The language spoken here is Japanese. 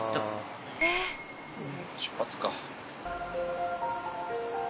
出発か。